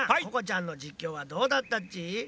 ここちゃんの実況はどうだったっち？